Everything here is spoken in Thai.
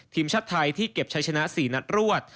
ทีมชาติไทยที่เก็บใช้ชนะ๔นัดรวด